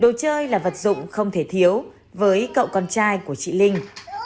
đồ chơi là vật dụng không thể thiếu với cậu con trai của chị linh